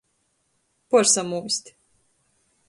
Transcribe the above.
Puorsamūst.